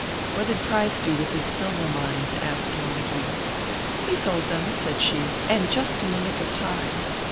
"What did Price do with his silver mines?" asked Montague. "He sold them," said she, "and just in the nick of time.